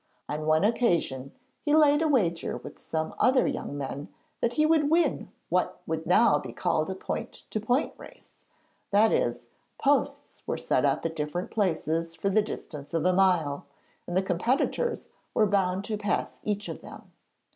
On one occasion he laid a wager with some other young men that he would win what would now be called a point to point race that is, posts were set up at different places for the distance of a mile, and the competitors were bound to pass each of them.